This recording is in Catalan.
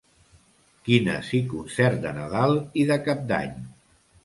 Quines i concert de Nadal i de Cap d'Any.